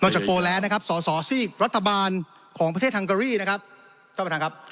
จากโปรแลนด์นะครับส่อส่อซีกรัฐบาลของประเทศทางเกอรี่นะครับ